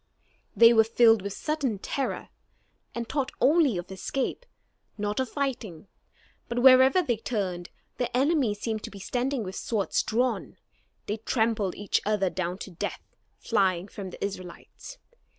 They were filled with sudden terror, and thought only of escape, not of fighting. But wherever they turned, their enemies seemed to be standing with swords drawn. They trampled each other down to death, flying from the Israelites.